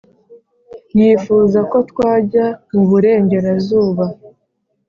yifuza ko twajya mu bungera zuba